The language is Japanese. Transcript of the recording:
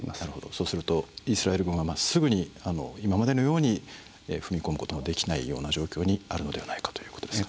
そうするとイスラエル軍はすぐに今までのように踏み込むこともできないような状況にあるのではないかということですかね。